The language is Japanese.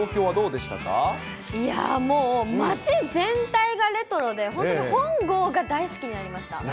いやー、もう町全体がレトロで、本当に本郷が大好きになりました。